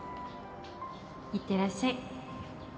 いってらっしゃい。